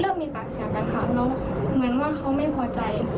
เริ่มมีแปลกแซงกันค่ะแล้วเหมือนเหมือนว่าเขาไม่พอใจ